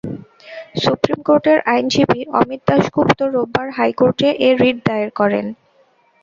Supreme কোর্টের আইনজীবী অমিত দাসগুপ্ত রোববার হাইকোর্টে এ রিট দায়ের করেন।